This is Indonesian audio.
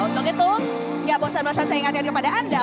untuk itu ya bosan bosan saya ingatkan kepada anda